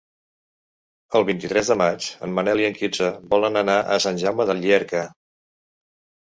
El vint-i-tres de maig en Manel i en Quirze volen anar a Sant Jaume de Llierca.